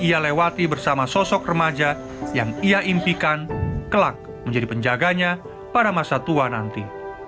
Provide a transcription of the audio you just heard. ia lewati bersama sosok remaja yang ia impikan kelak menjadi penjaganya pada masa tua nanti